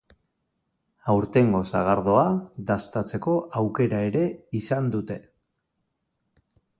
Aurtengo sagardoa daztatzeko aukera ere izan dute.